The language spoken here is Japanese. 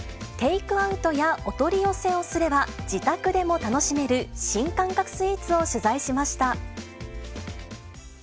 テイクアウトやお取り寄せをすれば自宅でも楽しめる新感覚スイーツを取材しました。